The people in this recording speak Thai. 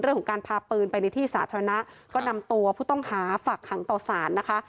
เรื่องของการพาปืนไปในที่ศาสนาก็นำตัวผู้ต้องหาฝากห่างต่อสารนะคะ